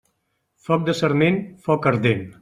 Foc de sarment, foc ardent.